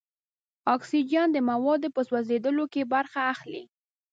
اکسیجن د موادو په سوځیدلو کې برخه اخلي.